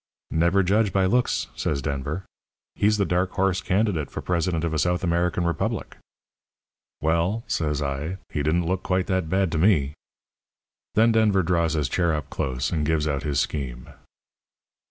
"'Never judge by looks,' says Denver; 'he's the dark horse candidate for president of a South American republic.' "'Well,' says I, 'he didn't look quite that bad to me.' "Then Denver draws his chair up close and gives out his scheme.